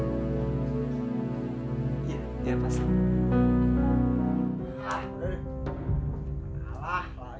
terima kasih udah diderima pusat tewas